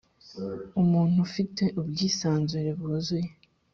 umuntu Ufite ubwisanzure bwuzuye